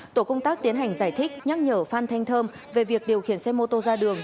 tổ công tác tiến hành giải thích nhắc nhở phan thanh thơm về việc điều khiển xe mô tô ra đường